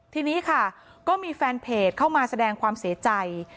ทีนี้ค่ะก็มีแฟนเพจเข้ามาแสดงความเสียใจ